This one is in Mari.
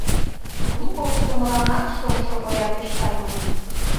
Лу корштымыланат шоҥшо коя пеш сай, маныт.